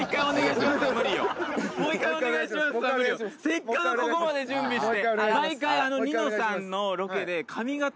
せっかくここまで準備して。